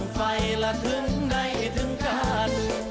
ขอบคุณทุกคน